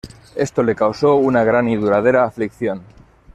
Esto le causó una gran y duradera aflicción.